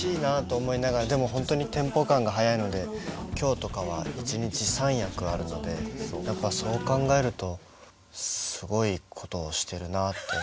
でも本当にテンポ感が速いので今日とかは一日３役あるのでやっぱそう考えるとすごいことをしてるなあって。